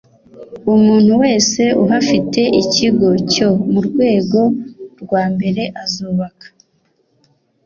umuntu wese uhafite ikigo cyo mu rwego rwambere azubaka